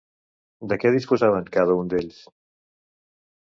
De què disposaven cada un d'ells?